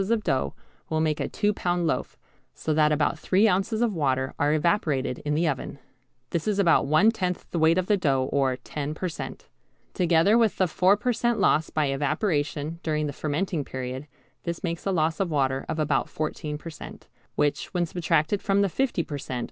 of dough will make a two pound loaf, so that about three ounces of water are evaporated in the oven, This is about one tenth the weight of the dough or 10 per cent. Together with the four per cent. loss by evaporation during the fermenting period, this makes a loss of water of about 14 per cent., which, when subtracted from the 50 per cent.